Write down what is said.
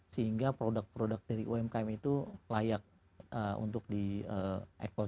sehingga produk produk dari umkm itu layak untuk diekspor